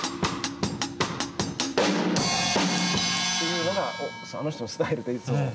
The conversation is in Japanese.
っていうのがあの人のスタイルでいつも。